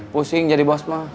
pusing jadi bos mah